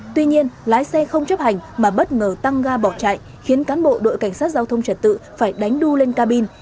tuy nhiên lái xe không chấp hành mà bất ngờ tăng ga bỏ chạy khiến cán bộ đội cảnh sát giao thông trật tự phải đánh đu lên cabin